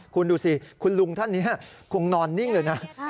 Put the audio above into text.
คุณดูสิคุณลุงท่านนี้คงนอนนิ่งเลยนะ